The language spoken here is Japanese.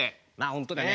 本当だね。